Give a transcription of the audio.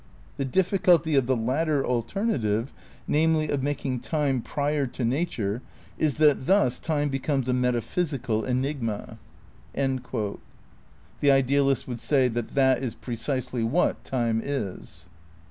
The difficulty of the latter alternative — ^namely of making time prior to nature — is that thus time becomes a metaphysical enigma." ^ (The idealist would say that that is precisely what time is.)